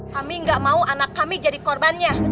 kami nggak mau anak kami jadi korbannya